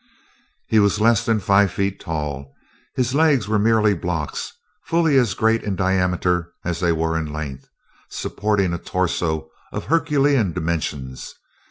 He was less than five feet tall. His legs were merely blocks, fully as great in diameter as they were in length, supporting a torso of Herculean dimensions.